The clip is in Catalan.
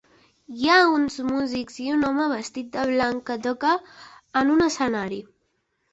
Hi ha uns músics i un home vestit de blanc que toca en un escenari.